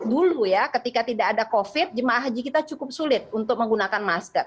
dulu ya ketika tidak ada covid jemaah haji kita cukup sulit untuk menggunakan masker